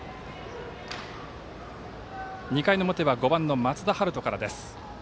２回の表は５番の松田陽斗からです。